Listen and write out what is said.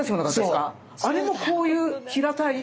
あれもこういう平たい。